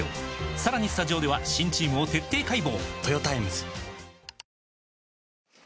さらにスタジオでは新チームを徹底解剖！